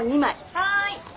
はい。